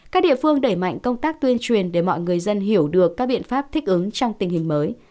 các địa phương đẩy mạnh công tác tuyên truyền để mọi người dân hiểu được các biện pháp thích ứng trong tình hình mới